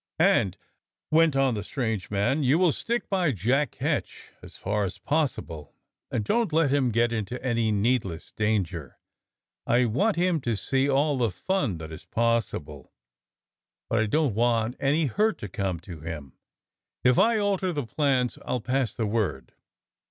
"And," went on the strange man, "you will stick by Jack Ketch as far as possible, and don't let him get into any needless danger. I want him to see all the fun that is possible, but I don't want any hurt to come to him. If I alter the plans, I'll pass the word.